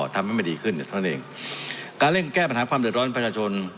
ทำให้มันดีขึ้นเท่านั้นเองการเร่งแก้ปัญหาความเดือดร้อนประชาชน